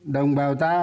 đồng bào ta